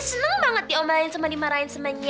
seneng banget diomelin semuanya dimarahin semuanya